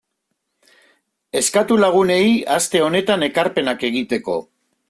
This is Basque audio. Eskatu lagunei aste honetan ekarpenak egiteko.